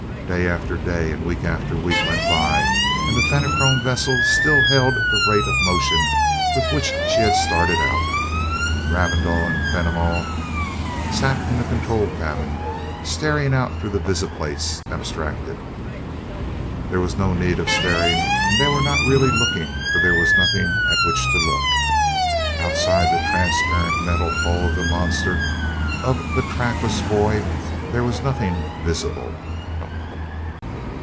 Day after day and week after week went by, and the Fenachrone vessel still held the rate of motion with which she had started out. Ravindau and Fenimol sat in the control cabin, staring out through the visiplates, abstracted. There was no need of staring, and they were not really looking, for there was nothing at which to look. Outside the transparent metal hull of that monster of the trackless void, there was nothing visible.